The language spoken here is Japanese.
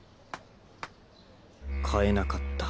買えなかった